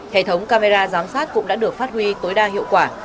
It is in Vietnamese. hệ thống camera giám sát cũng đã được phát huy tối đa hiệu quả